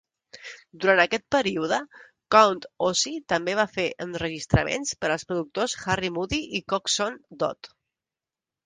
Durant aquest període, Count Ossie també va fer enregistraments per als productors Harry Mudie i Coxsone Dodd.